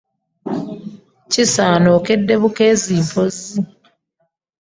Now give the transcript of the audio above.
Kisaana okedde bukeezi mpozzi.